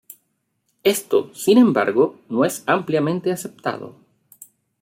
Esto, sin embargo, no es ampliamente aceptado.